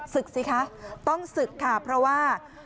ศึกสิคะต้องศึกค่ะเพราะว่า